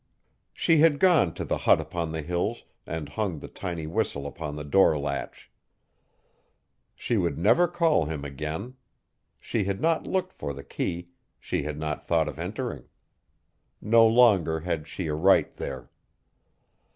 She had gone to the hut upon the Hills and hung the tiny whistle upon the door latch. She would never call him again! She had not looked for the key; she had not thought of entering. No longer had she a right there.